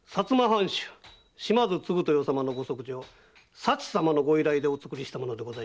藩主島津継豊様のご息女佐知様のご依頼でお作りしたものでございます。